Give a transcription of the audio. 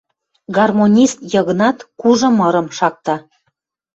Гармонист Йыгнат кужы мырым шакта.